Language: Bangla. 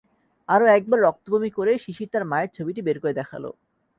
আরও একবার রক্ত বমি করে শিশির তার মায়ের ছবিটি বের করে দেখাল।